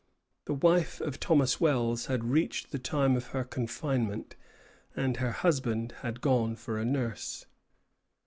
The wife of Thomas Wells had reached the time of her confinement, and her husband had gone for a nurse.